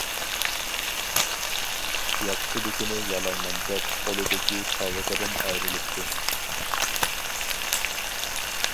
ياقىسىدىكىنى يالايمەن دەپ، قولىدىكى تاۋىقىدىن ئايرىلىپتۇ.